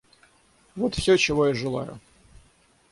Вот всё, чего я желаю.